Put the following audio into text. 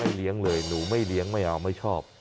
เลี้ยงเลยหนูไม่เลี้ยงไม่เอาไม่ชอบ